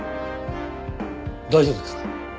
大丈夫ですか？